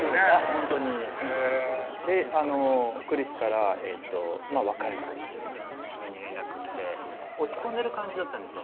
ほんとにでクリスから「別れた」っていうふうに連絡来て落ち込んでる感じだったんですよ